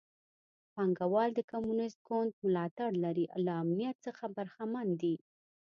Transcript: پانګوال د کمونېست ګوند ملاتړ لري له امنیت څخه برخمن دي.